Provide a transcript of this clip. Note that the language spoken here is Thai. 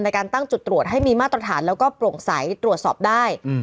ในการตั้งจุดตรวจให้มีมาตรฐานแล้วก็โปร่งใสตรวจสอบได้